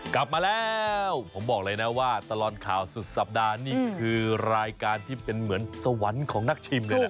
กลับมาแล้วผมบอกเลยนะว่าตลอดข่าวสุดสัปดาห์นี่คือรายการที่เป็นเหมือนสวรรค์ของนักชิมเลยนะ